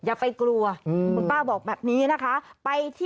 อย่าไปกลัวคุณป้าบอกแบบนี้นะคะ